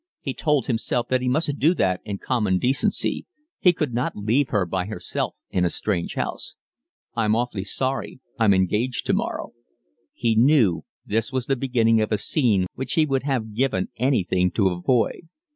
He told himself that he must do that in common decency; he could not leave her by herself in a strange house. "I'm awfully sorry, I'm engaged tomorrow." He knew this was the beginning of a scene which he would have given anything to avoid.